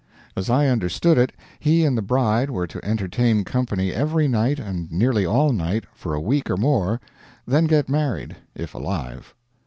As I understood it, he and the bride were to entertain company every night and nearly all night for a week or more, then get married, if alive.